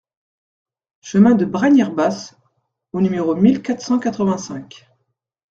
Chemin de Bragnères Basses au numéro mille quatre cent quatre-vingt-cinq